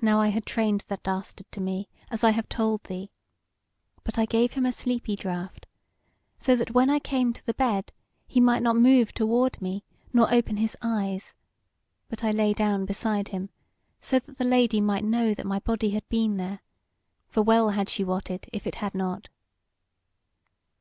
"Now I had trained that dastard to me as I have told thee, but I gave him a sleepy draught, so that when I came to the bed he might not move toward me nor open his eyes: but I lay down beside him, so that the Lady might know that my body had been there; for well had she wotted if it had not.